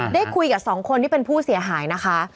ได้คุยกับสองคนที่เป็นผู้เสียหายนะคะ